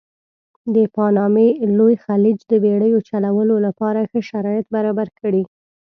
د پانامې لوی خلیج د بېړیو چلولو لپاره ښه شرایط برابر کړي.